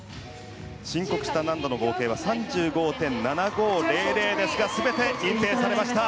申告した難度の合計は３５．７５００ですが全て認定されました。